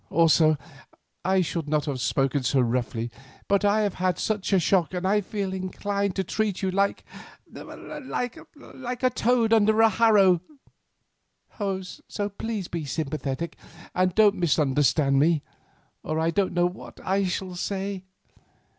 Also I should not have spoken so roughly, but I have had such a shock that I feel inclined to treat you like—like—a toad under a harrow. So please be sympathetic, and don't misunderstand me, or I don't know what I shall say."